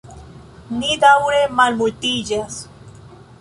Ni daŭre malmultiĝas.